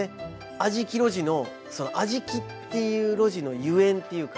あじき路地のそのあじきっていう路地のゆえんっていうか